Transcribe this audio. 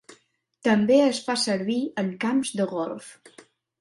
També es fa servir en camps de golf.